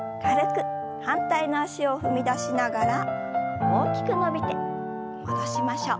反対の脚を踏み出しながら大きく伸びて戻しましょう。